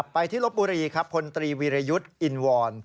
ไปที่ลบบุรีพนตรีวิรยุทธ์อินวอน